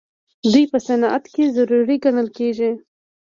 دوی په صنعت کې ضروري ګڼل کیږي.